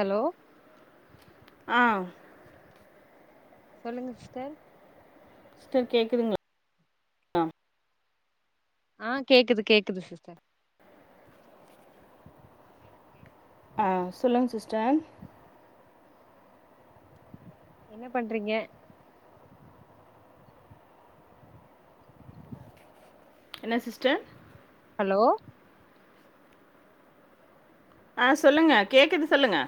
Hello ஆ சொல்லுங்க sister sister கேக்குதுங்ளா ஆ கேக்குது கேக்குது சிஸ்டர் ஆ சொல்லுங்க சிஸ்டர் என்ன பண்றிங்க என்ன சிஸ்டர் ஹலோ ஆ சொல்லுங்க கேக்குது சொல்லுங்க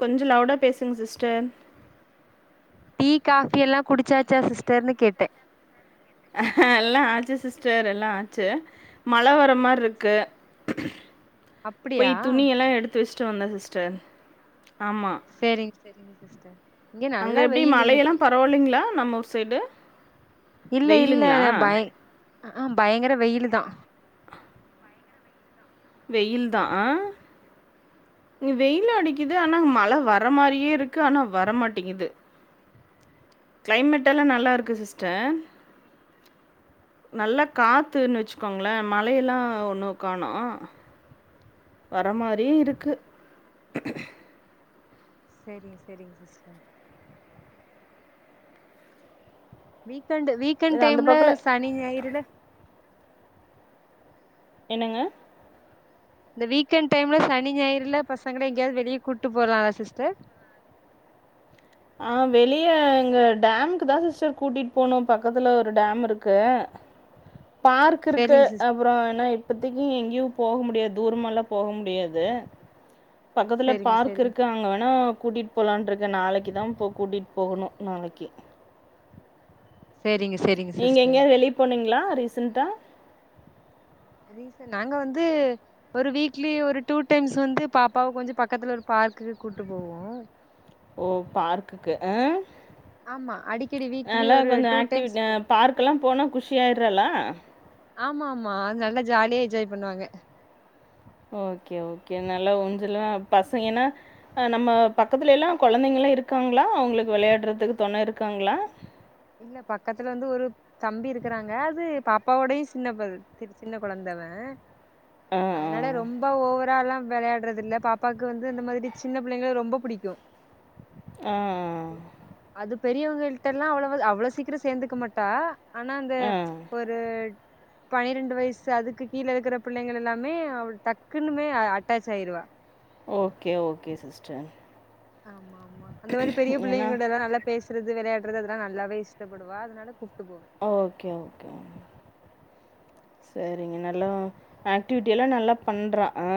கொஞ்ச லவுடா பேசுங்க சிஸ்டர் டீ காஃபி எல்லா குடிச்சாச்சா சிஸ்டர்னு கேட்ட ஆ எல்லா ஆச்சி சிஸ்டர் எல்லா ஆச்சி மழ வர மார்ருக்கு அப்டியா போய் துணியெல்லா எடுத்து வச்ட்டு வந்தே சிஸ்டர் செரிங்க செரிங்க சிஸ்டர் இங்க அங்க நல்லா எப்டி வெயில் மழை எல்லா இன்னைக்கி பரவாலைங்ளா நம்ம ஊர் சைடு இல்ல இல்ல வெயிலுங்களா ந பய் ஆஹ பயங்கர வெயிலு தா வெயில் தா ஆ இங்க வெயில் அடிக்கிது ஆனா மழ வர மாரியே இருக்கு ஆனா வரமாட்டேங்கிது கிளைமட் எல்லா நல்லாருக்கு சிஸ்டர் நல்ல காத்துன் வச்சுக்கோங்ளே மழையெல்லா ஒண்ணு காணோ வர மாரியே இருக்கு செரிங்க செரிங்க சிஸ்டர் வீக்கெண்டு வீக்கெண் சரி அந்த டைம்ல பக்கம்ல சனி ஞாயிறுல என்னங்க இந்த வீக்கெண் டைம்ல சனி ஞாயிறுல பசங்கள எங்கயாவது வெளிய கூட்டு போலலா சிஸ்டர் ஆ வெளிய எங்க டேமுக்கு தா சிஸ்டர் கூட்டிட் போனு பக்கத்துல ஒரு டேம் இருக்கு பார்க் இருக்கு சேரிங்க சிஸ் அப்றோ என்ன இப்பத்திக் கி எங்கியு போக முடியாத் தூரமால்லா போக முடியாது பக்கத்துல சேரிங்க பார்க் சேரிங்க இருக்கு அங்க வேனா கூட்டிட் போலான்ட்ருக்கே நாளைக் க்கிதா போ கூட்டிட் போகனு நாளைக்கி சேரிங்க சேரிங்க நீங்க சிஸ்டர் எங்கயாது வெளிய போனீங்ளா ரீசன்டா ரீசன் நாங்க வந்து ஒரு வீக்லி ஒரு டூ டைம்ஸ் வந்து பாப்பாவ கொஞ்ச பக்கத்துல ஒரு பார்க் கு கூட்டு போவோ ஓ பார்க்குக்கு அ ஆமா அடிக்கடி வீக்லி நல்லா ஒரு கொஞ்சோ டூ டைம்ஸ் ஆக்டிவி்ட் அ போ பார்க்கெல்லா போனா குஷியாயிராளா ஆமா ஆமா அது நல்லா ஜாலியா என்ஜாய் பண்ணுவாங்க ஓகே ஓகே நல்லா ஊஞ்சல்லா பசங்கென்னா அ நம்ம பக்கத்துல எல்லா கொழந்தைங்கள் லா இருக்காங்ளா அவுங்களுக்கு வெளையாட்றதுக்கு தொன இருக்காங்ளா இல்ல பக்கத்துல வந்து ஒரு தம்பி இருக்குறாங்க அது பாப்பாவோடயு சின்ன பச செரி சின்ன கொழந்த அவெ ஆ, ஆ. அதனால ரொம்ப ஓவராலா வெளையாட்றதில்ல பாப்பாக்கு வந்து அந்த மாதிரி சின்ன பிள்ளைங்கள ரொம்ப புடிக்கு ஆ ஆ பெரியவங்கள்ட்ட எல்லா அவ்ளவு அவ்ளோ சீக்கிரோ சேந்துக்க மாட்டா ஆனா அந்த ஆ. ஒரு பணிரெண்டு வயசு அதுக்கு கீழ இருக்குற பிள்ளைங்கள எல்லாமே அவ டக்குனுமே அ அட்டாச் ஆயிருவா ஓகே ஓகே சிஸ்டர் ஆமா ஆமா அந்த மாரி பெரிய ஏன்னா பிள்ளைங்க கூட எல்லா நல்லா பேஸ் றது வெளையாடுறது அதெல்லா நல்லாவே இஷ்டப்படுவா அதனால கு ஓகே ஓகே சரிங்க நல்லா ஆக்டிவிட்டி எல்லா நல்லா பண்றா ஆ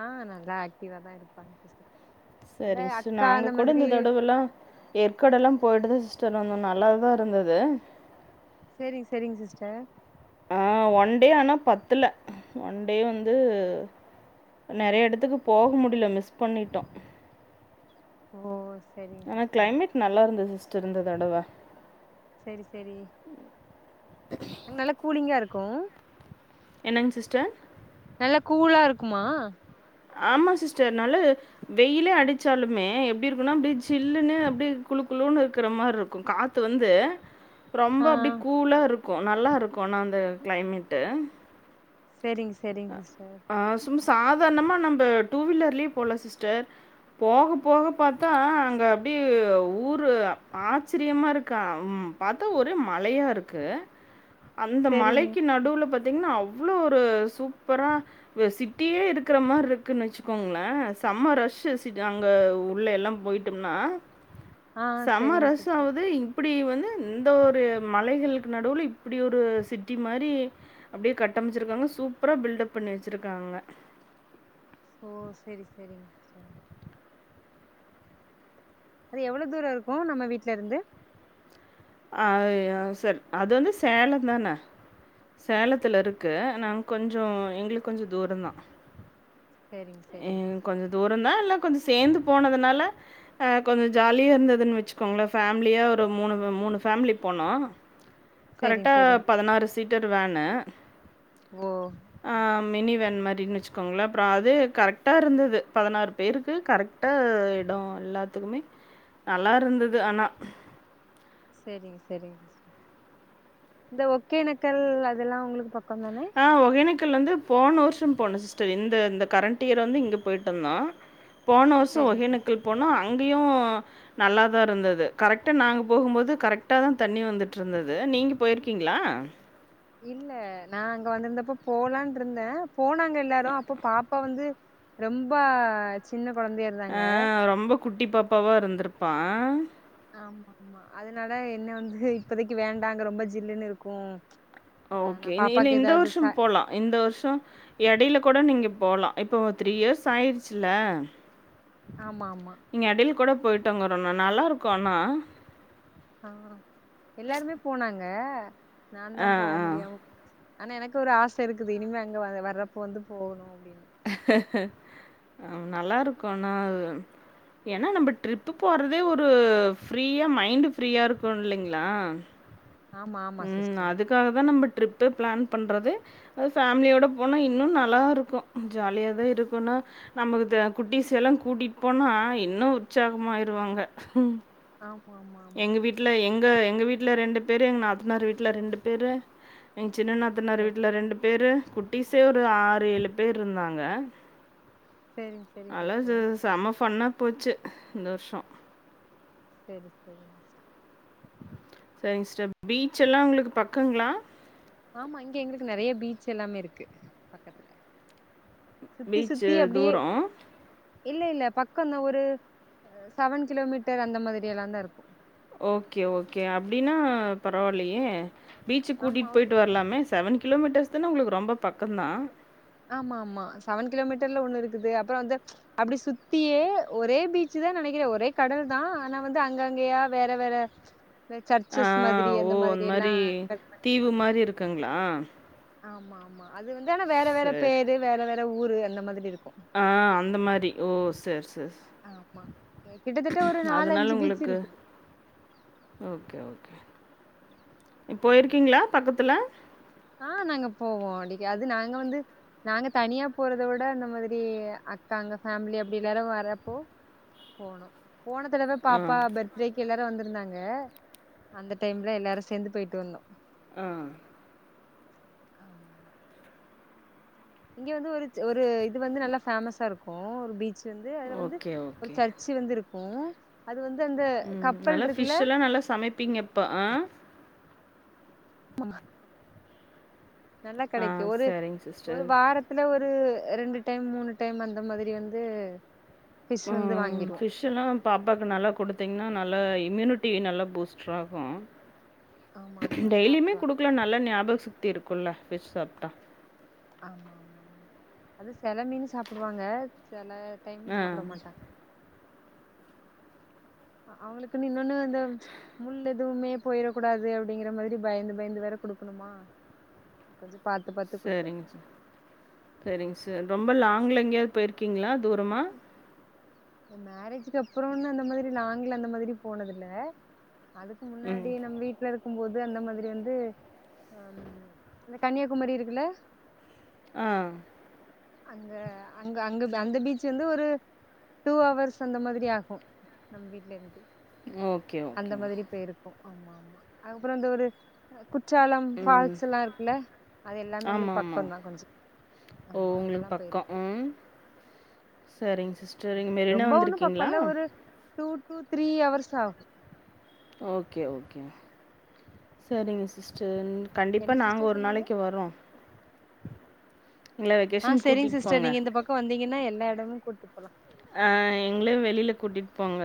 ஆ நல்லா ஆக்டிவா தா இருப்பாங் சிஸ்டர் இந்த சரிங்க சிஸ்டர் அக்கா நாங்க அந்த கூட மாதிரி இந்த தடவெல்லா ஏற்காடெல்லா போயிட்டு தா சிஸ் செரி நானு நல்லாதா இருந்தது செரிங் செரிங்க சிஸ்டர் ஆ ஒன் டே ஆனா பத்துல ஒன் டே வந்து நெறைய எடத்துக்கு போக முடியல மிஸ் பண்ணிட்டோ ஓ சேரிங் ஆனா சிஸ்டர் கிளைமேட் நல்லாருந்தது சிஸ்டர் இந்த தடவ செரி செரி அங்க நல்ல கூலிங்கா இருக்கு என்னங்க சிஸ்டர் மா ஆமா சிஸ்டர் நல்ல வெயிலே அடிச்சாலுமே எப்படி இருக்குனா அப்படி ஜில்லுன்னு அப்படி குளுகுளுன்னு இருக்கிற மாரி இருக்கு காத்து வந்து ரொம்ப ஆ அப்படி கூலா இருக்கு நல்லா இருக்கு ஆனாஅந்த கிளைமேட்டு் சரிங்க சரிங்க சிஸ்டர் சும்மா சாதாரணமா நம்ம டூ வீலர்லயே போல சிஸ்டர் போக போக பார்த்தா அங்க அப்படியே ஊரு ஆச்சரியமா இருக்கா பாத்தா ஒரே மழையா இருக்கு அந்த சேரிங்க மலைக்கி நடுவுல பார்த்தீங்கன்னா அவ்வளோ ஒரு சூப் பரா சிட்டியே இருக்கிற மாதிரி இருக்குன்னு வச்சுக்கோங்கள சம்ம ரஷ்சு அங்க உள்ள எல்லா போயிட்டோம்னா ஆ செம்ம சேரிங்க ரஷ் சிஸ்டர் ஆகுது இப்படி வந் இந்த ஒரு மலைகளுக்கு நடுவுல இப்படி ஒரு சிட்டி மாரி அப்படியே கட்டமைச்சிருக்காங்க சூப் அப்புறம் பில்டப் பண்ணி வச்சுருக்காங்க ஓ சரி சரிங்க அது எவ்வளவு தூரம் இருக்கு நம்ம வீட்ல இருந்து அ ச அது வந்து சேலம் தான சேலத்துல இருக்கு நாங்க கொஞ்ச எங்களுக்கு கொஞ்ச தூர்தா சேரிங்க சேரிங்க ம் சிஸ்டர் கொஞ்ச தூரம் தா இல்ல கொஞ்ச சேர்ந்து போனதுனால ஆ கொஞ்ச ஜாலியா இருந்ததுன்னு வச்சுக்கோங்கள ஃபேமிலியா ஒரு மூணு மூணு ஃபேமிலி போனோ சேரிங்க கரெக்டா சேரிங்க பதினாறு சீட்டர் வேனுு ஓ ஆ மினி வேன் மாதிரினு வச்சுக்கோங்களே அப்புறம் அது கரெக்டா இருந்தது பதினாறு பேருக்கு கரெக்டா இடம் எல்லாத்துக்குமே நல்லா இருந்தது ஆனா சரி சரி இந்த ஒகேனக்கல் அதெல்லா உங்களுக்கு பக் ஆ ஒகேனக்கு க்கல் வந்து போன வருஷம் போனோ சிஸ்டர் இந்த இந்த கரண்ட் இயர் வந்து இங்க போயட்டு வந்தோ போன வருஷசோ சரிங்க சார் ஒகேனக்கள் போனோ அங்கேயு நல்லா தா இருந்தது கரெக்டா நாங்க போகும்போது கரெக்டா தா தண்ணி வந்துட்டு இருந்தது நீங்க போயிருக்கீங்களா இல்ல நா அங்க வந்திருந்தப்ப போலா இருந்த போனாங்க எல்லாரு அப்போ பாப்பா வந்து ரொம்ப சின்ன குழந்தையா இருந்தாங்க ஆ ரொம்ப குட்டி பாப்பாவா இருந்திருப்பா ஆமா ஆமா அதனால என்ன வந்து இப்பதைக்கு வேண்டாங் ரொம்ப ஜில்லுன்னு இருக்கு வேணா ஓகே இல்ல பாப்பாக்கு இந்த ஏதாவது வருஷோ ச போலா இந்த வருஷோ இடையில கூட நீங்க போலா இப்ப த்ரீ இயர்ஸ் ஆயிருச்சல ஆமா ஆமா நீங்க இடைல கூட போயிட்டோங்கறோம்ண்ணா நல்லா இருக்கு ஆனா ஆ எல்லாருமே போனாங்க நா தா ஆ, போக ஆ. முடியாம போச்சு ஆனா எனக்கு ஒரு ஆச இருக்குது இனிமே அங்க வ வர்றப் போது போணு நல்லா இருக்கு ஆனா ஏன்னா நம்ம ட்ரிப் போறதே ஒரு ஃப்ரீயா மைண்ட் ஃப்ரீயா இருக்கு இல்லைங்களா ஆமா ஆமா உம் சிஸ்டர் அதுக்காக தா நம்ம ட்ரிப்பே பிளான் பண்றது அது ஃபேமிலியோட போனா இன்னு நல்லா இருக்கு ஜாலியா தா இருக்கும்ன்னா நமக்கு குட்டி எல்லா கூட்டிட்டு போனா இன்னு உற்சாகமாயிருவாங்க ஆமா ஆமா ஆமா எங்க வீட்ல எங்க எங்க வீட்டுல ரெண்டு பேரு எங்க நாத்தனார் வீட்டல ரெண்டு பேரு எங் சின்ன நாத்தனார் வீட்டுல ரெண்டு பேரு குட்டிஸே ஒரு ஆறு ஏழு பேர் இருந்தாங்க சரிங்க சரிங்க அலது சிஸ்டர் செம ஃபண்ணா போச்சு இந்த வருஷோ சரி சரி சரிங்க சிஸ்டர் பீச் எல்லா உங்களுக்கு பக்கங்களா ஆமா இங்க எங்களுக்கு நெறைய பீச் எல்லாமே இருக்கு பக்கத்துல சுத்தி பீச்சு சுத்தி அப்டியே தூரம் இல்ல இல்ல பக்கம்தா ஒரு செவன் கிலோமீட்டர் அந்த மாதிரி எல்லாந்தா இருக்கும் ஓகே ஓகே அப்டின்னா பரவால்லியே பீச்சுக்கு ஆமா கூட்டிட்டு ஒரு போயிட்டு வரலாமே செவன் கிலோமீட்டர்ஸ் தானு உங்களுக்கு ரொம்ப பக்கம் தா ஆமா ஆமா செவன் கிலோமீட்டர்ல ஒண்ணு இருக்குது அப்புற வந்து அப்டி சுத்தியே ஒரே பீச் தா நெனைக்கிறே ஒரே கடல் தா ஆனா வந்து அங்க அங்கயா வேற வேற ஆ, சர்ச்சஸ் மாதிரி அந்த மாதிரி எல்லா ஹட் தீவு பண்ணிப்பாங்க மாதிரி இருக்குங்களா ஆமா ஆமா அது வந்து ஆனா வேற வேற சரி பேரு வேற வேற ஊரு அந்த மாதிரி இருக்கு ஆ அந்த மாரி ஓ செரி செரி ஆமா கிட்டத்தட்ட ஒரு நாலு அதுனால அஞ்சு பீச் உங்களுக்கு இருக்குது ஓகே ஓகே இப்போ ஆமா இருக்கீங்களா பக்கத்துல ஆ நாங்க போவோ அடிக்கு அது நாங்க வந்து நாங்க தனியா போறத விட அந்த மாதிரி அக்கா அங்க ஃபேமிலி அப்டி எல்லாரும் வரப்போ போனும் போன தடவை ஆ பாப்பா பர்த்டேக்கு எல்லாரும் வந்து இருந்தாங்க அந்த டைம்ல எல்லாரும் சேந்து போயிட்டு வந்தோ ஆ க இங்க வந்து ஒரு ஒரு இது வந்து நல்லா பேஃமஸா இருக்கும் ஒரு பீச் வந்து அதுல வந்து ஓகே ஒரு ஓகே சர்ச்சு வந்து இருக்கும் அது வந்து அந்த ம். கப்பல் நல்லா இருக்குல்ல ஃபிஷ் எல்லாம் நல்லா சமைப்பீங்க இப்ப. ஆ, மா நல்லா ஆ கிடக்கும் ஒரு சரிங்க ஒரு சிஸ்டர். வாரத்துல ஒரு இது ரெண்டு டைம் மூணு டைம் அந்த மாதிரி வந்து ஃபிஷ் வந்து ம் வாங்கிருவோ ஃபிஷ் எல்லா பாப்பாக்கு நல்லா கொடுத்தீங்கன் நல்லா இம்யூனிட்டி நல்லா பூஸ்டர் ஆகும் ஆமா ஆமா டெய்லியுமே சாப்டுவா குடுக்கலா நல்லா ஞாபக சக்தி இருக்கும்ல ஃபிஷ் சாப்ட்டா ஆமா ஆமா அது செல மீன் சாப்பிடுவாங்க செல டைம் ஆ, சாப்பிட மாட்டாங் அவுங்களுக்குன்னு இன்னொன்னு அந்த முள் எதுவுமே போயிடக்கூடாது அப்படிங்கிற மாதிரி பயந்து பயந்து வேற குடுக்கணுமா கொஞ்சம் சரிங்க சரிங்க ரொம்ப லாங்ல எங்கேயாவது போயிருக்கீங்களா தூரமா என் மேரேஜ்க்கு அப்புறம்ன்னு அந்த மாதிரி லாங்ல அந்த மாதிரி போனதில்ல அதுக்கு ம். முன்னாடி நம்ம வீட்டு்ல இருக் க்கும்போது அந்த மாதிரி வந்து அ இந்த கன்னியாகுமரி இருக்குல்ல ஆ அங்க அங்க அங்க அந்த பீச் வந்து ஒரு டூ ஹவர்ஸ் அந்த மாதிரி ஆகும் நம்ம வீட்டுல இருந்து ஓகே, அந்த ஓகே. மாதிரி போயிருக்கும் ஆமா ஆமா அதுக்கப்புற அந்த ஒரு குற்றாலம் ம். ஃபால்ஸ் எல்லா இருக்குல்ல அது எல்லாமே எங்களுக்கு பக்கம்தா கொஞ்ச ஒங்களுக்கு பக்கம் ம் சரிங்க சிஸ்டர். இங்க மெரினா ரொம்ப ஒண்ணும் பக்கம் வந்திருக்கீங்களா? இல்ல ஒரு டூ டூ த்ரீ ஹவர்ஸ் ஆகும் ஓகே ஓகே சரிங்க சிஸ்டர் கண்டிப்பா என்ன நாங்க சிஸ்டர் ஒரு சொன்னீங்க நாளைக்கு வரோ ஆ செரிங்க கூட்டிட்டு சிஸ்டர் போங்க நீங்க இந்த பக்கம் வந்தீங்கன்னா எல்லா இடமே கூட்டு போலா ஆ எங்களயு வெளியில கூட்டிட்டு போங்க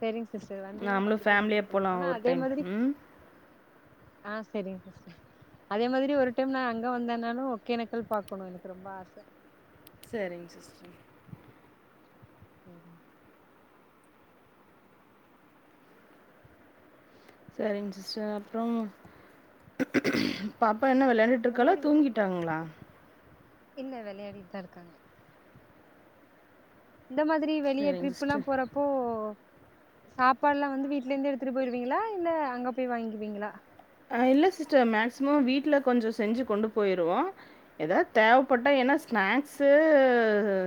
செரிங்க சிஸ்டர் வந்தீங்கன்னா நாமளும் கண்டிப்பா கூட்டு ஃபேமிலியா போலாம் ஆனா ஒரு அதே டைம் மாதிரி ம் ஆஹ் செரிங்க சிஸ்டர் அதே மாதிரி ஒரு டைம் நா அங்க வந்தேனாலும் ஒகேனக்கல் பாக்கணு எனக்கு ரொம்ப ஆச செரிங் சிஸ்டர் சரி சரிங்க சிஸ்டர் அப்ற பா ப்ப என்ன வெளயாண்டுட்டு இந்த இருக்காளா மாதிரி வெ- தூங்கிட்டாங்களா இல்ல விளையாடிட்டுதா இருக்காங்க இந்த மாதிரி வெளிய சரிங்க ட்ரிப் எல்லா சிஸ்டர் போறப்போ சாப்பாட்ல்லா வந்து வீட்லே இருந்து எடுத்துட்டு போயிருவீங்களா இல்ல அங்க போய் வாங்கிவீங்களா அ இல்ல சிஸ்டர் மேக்சிமம் வீட்ல கொஞ்ச செஞ்சு கொண்டு போயிருவோ எதாவது தேவப்பட்டா ஏன்னா ஸ்நாக்ஸ்ஸு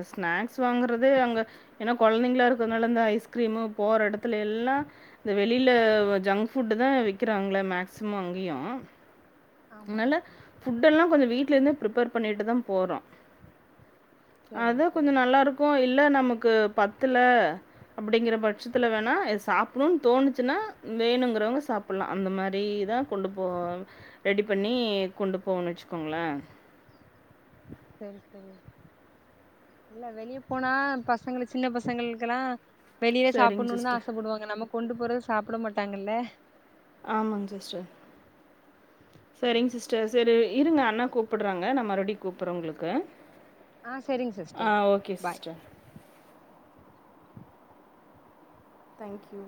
ஸ்நாக்ஸ் வாங்கறது அங்க ஏன்னா குழந்தைங்களா இருக்கனால ஐஸ் கிரீம்மு போற எடத்துல எல்லா இந்த வெளியில ஜங்க் ஃபுட்டு தா விக்கிறாங்கள மேக்ஸ் சிம் அங்கேயு ஆமா அதனால ஆமா ஃபுட்டெல்லா கொஞ்ச வீட்ல இந்தே ப்ரிப்பேர் பண்ணிட்டு தா போறோ செரிங்க அதா கொஞ்ச செரிங்க நல்லாருக்கு இல்ல நமக்கு பத்துல அப்படிங்கிற பட்சத்துல வேணா சாப்டணுன்னு தோணுச்சுன்னா வேணுங்கறவங்க சாப்டலா அந்த மாரி தா கொண்டு போ ரெடி பண்ணி கொண்டு போனு வச்சுக்கோங்கள சேரி சேரி இல்ல வெளிய போனா பசங்க சின்ன பசங்களுக்ல்லா வெளியில சரிங்க சாப்புணுன்னு தா சிஸ்டர். ஆசபடுவாங்க நம்ம கொண்டு போறது சாப்ட மாட்டாங்கல்ல ஆமாங் சிஸ்டர் சரிங்க சிஸ்டர் சரி இருங்க அண்ணா கூப்புட்றாங்க நா மறுபடியு கூப்புட்றே உங்களுக்கு ஆ செரிங்க ஆ sister okay bye sister thank you